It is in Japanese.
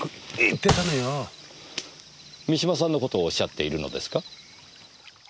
三島さんのことをおっしゃっているのですか？